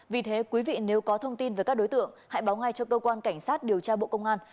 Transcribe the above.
vì thế quý vị nếu có thông tin về các đối tượng hãy báo ngay cho cơ quan cảnh sát điều tra bộ công an